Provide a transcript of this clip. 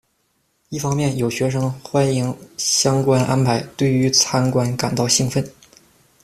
一方面，有学生欢迎相关安排，对于参观感到兴奋。